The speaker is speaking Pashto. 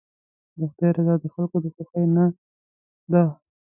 د خدای رضا د خلکو د خوښۍ نه ده.